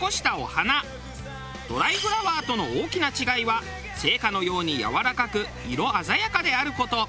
ドライフラワーとの大きな違いは生花のようにやわらかく色鮮やかである事。